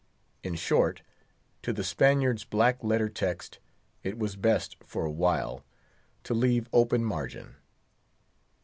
In short, to the Spaniard's black letter text, it was best, for awhile, to leave open margin.